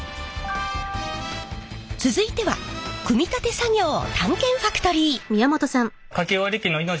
続いては組み立て作業を探検ファクトリー！